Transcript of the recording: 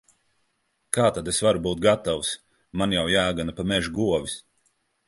Kā tad es varu būt gatavs! Man jau jāgana pa mežu govis.